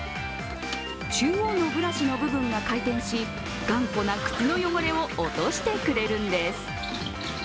中央のブラシの部分が回転し頑固な靴の汚れを落としてくれるんです。